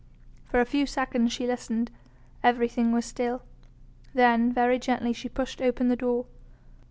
For a few seconds she listened. Everything was still. Then very gently she pushed open the door.